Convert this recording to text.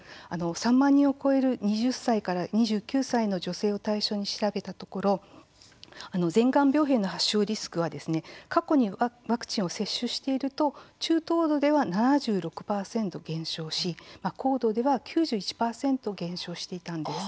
３万人を超える２０歳から２９歳の女性を対象に調べたところ前がん病変の発症リスクは過去にワクチンを接種していると中等度では７６％減少し高度では９１％減少していたんです。